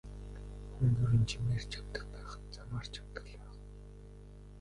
Хүн ер нь жимээр ч явдаг байх, замаар ч явдаг л байх.